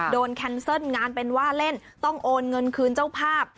แคนเซิลงานเป็นว่าเล่นต้องโอนเงินคืนเจ้าภาพ